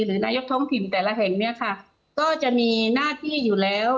นายกท้องถิ่นแต่ละแห่งเนี่ยค่ะก็จะมีหน้าที่อยู่แล้ว